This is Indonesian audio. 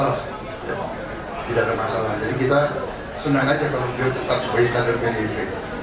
jadi tidak ada masalah jadi kita senang saja kalau dia tetap sebagai kader pdip